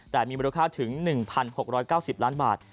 แต่มีมูลค่าถึง๑๖๙๐ล้านบาท